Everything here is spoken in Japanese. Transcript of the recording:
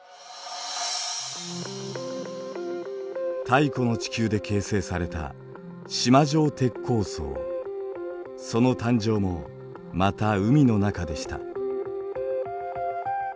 太古の地球で形成されたその誕生もまた海の中でした。